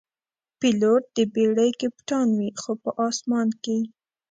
پیلوټ د بېړۍ کپتان وي، خو په آسمان کې.